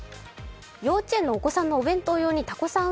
幼稚園のお子さんのお弁当用にタコさん